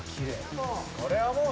これはもうね。